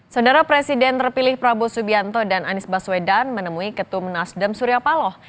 saudara presiden terpilih prabowo subianto dan anies baswedan menemui ketum nasdem surya paloh